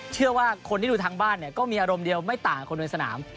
เชื่อว่าคนที่ดูทางบ้านเนี่ยก็มีอารมณ์เดียวไม่ต่างคนในสนาม